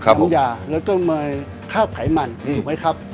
นะครับน้ำยาแล้วก็คาบไขมันไว้ครับ